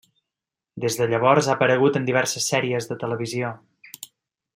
Des de llavors, ha aparegut en diverses sèries de televisió.